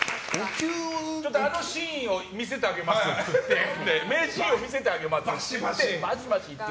あのシーンを見せてあげますって言って名シーンを見せてあげますって言って。